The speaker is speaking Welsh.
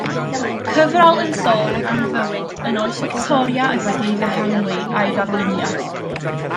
Cyfrol yn sôn am fywyd yn oes Victoria wedi ei ddehongli a'i ddarlunio.